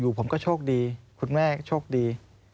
อยู่ผมก็โชคดีคุณแม่ก็ชกดี